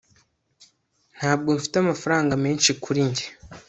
ntabwo mfite amafaranga menshi kuri njye